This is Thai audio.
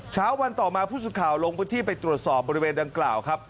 เช้าวันต่อมาผู้สุดข่าวลงพื้นที่ไปตรวจสอบบริเวณดังกล่าวครับ